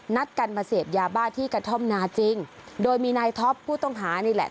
นัดกันมาเสพยาบ้าที่กระท่อมนาจริงโดยมีนายท็อปผู้ต้องหานี่แหละ